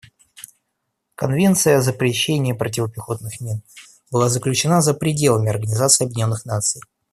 Конвенция о запрещении противопехотных мин была заключена за пределами Организации Объединенных Наций.